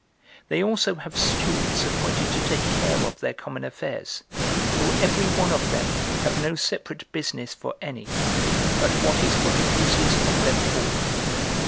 They also have stewards appointed to take care of their common affairs, who every one of them have no separate business for any, but what is for the uses of them all.